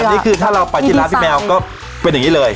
อันนี้คือถ้าเราไปที่ร้านพี่แมวก็เป็นอย่างนี้เลย